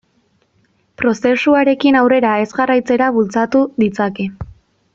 Prozesuarekin aurrera ez jarraitzera bultzatu ditzake.